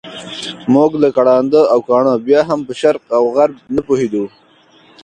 موږ لکه ړانده او کاڼه بیا هم په شرق او غرب نه پوهېدو.